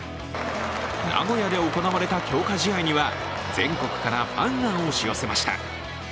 名古屋で行われた強化試合には、全国からファンが押し寄せました。